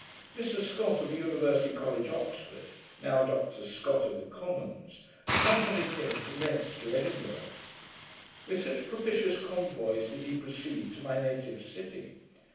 Mr Scott, of University College, Oxford, (now Dr Scott, of the Commons) accompanied him from thence to Edinburgh. With such propitious convoys did he proceed to my native city.